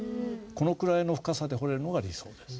このくらいの深さで彫れるのが理想です。